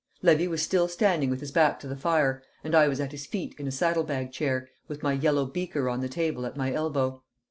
Levy was still standing with his back to the fire, and I was at his feet in a saddle bag chair, with my yellow beaker on the table at my elbow.